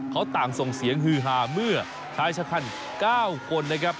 เขาต่างส่งเสียงฮือฮาเมื่อชายชะคัน๙คนนะครับ